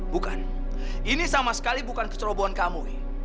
bukan ini sama sekali bukan kecerobohan kamu